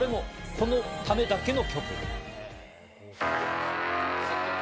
このためだけに。